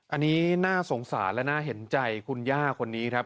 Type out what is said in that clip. อันนี้น่าสงสารและน่าเห็นใจคุณย่าคนนี้ครับ